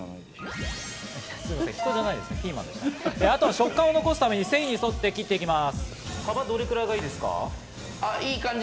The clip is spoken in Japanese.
食感を残すために繊維に沿って切っていきます。